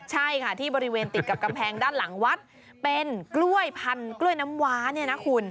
ใช่ค่ะที่บริเวณติดกับกำแพงด้านหลังวัดเป็นกล้วยพันกล้วยน้ำว้าเนี่ยนะคุณ